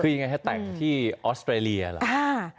คือยังไงฮะแต่งที่ออสเตรเลียเหรอ